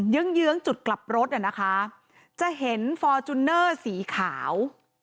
ื้องเยื้องจุดกลับรถน่ะนะคะจะเห็นฟอร์จูเนอร์สีขาว